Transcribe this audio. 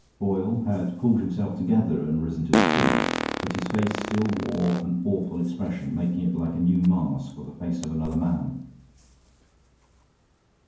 Boyle had pulled himself together and risen to his feet, but his face still wore an awful expression, making it like a new mask or the face of another man.